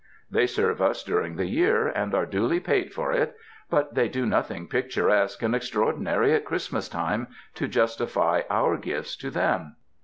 They serve us during the year, and are duly paid for it, but they do nothing picturesque and extraordinary at Christmas time to justify our gifts to them.